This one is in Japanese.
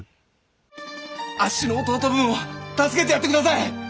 あっしの弟分を助けてやって下さい！